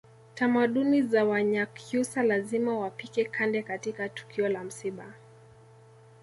Tamaduni za Wanyakyusa lazima wapike kande katika tukio la msiba